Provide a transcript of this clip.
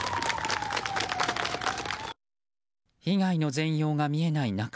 被害の全容が見えない中